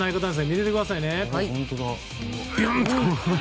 見ててくださいね。